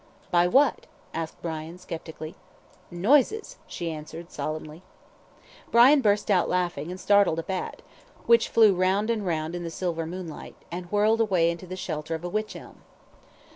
"By what?" asked Brian, sceptically. "Noises!" she answered, solemnly. Brian burst out laughing and startled a bat, which flew round and round in the silver moonlight, and whirred away into the shelter of a witch elm.